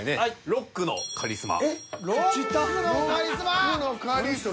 ロックのカリスマ？